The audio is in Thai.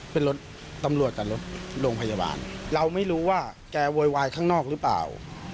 เป็นรถตำรวจกับรถโรงพยาบาลเราไม่รู้ว่าแกโวยวายข้างนอกหรือเปล่า